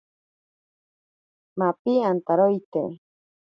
Mapi antaroite.